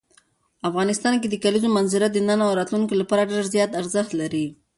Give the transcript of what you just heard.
افغانستان کې د کلیزو منظره د نن او راتلونکي لپاره ډېر زیات ارزښت لري.